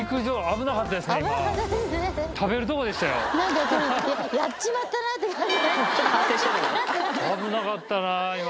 危なかったな今。